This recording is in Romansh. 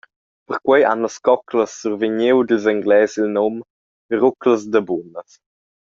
Perquei han las coclas survegniu dils Engles il num «ruclas da bunas».